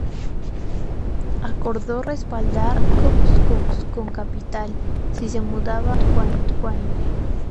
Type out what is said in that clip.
Acordó respaldar a Jacobs con capital, si se mudaba a Fort Wayne.